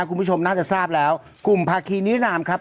คุณผู้ชมน่าจะทราบแล้วกลุ่มภาคีนินามครับ